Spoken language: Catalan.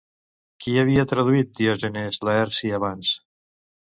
Qui havia traduït Diògenes Laerci abans?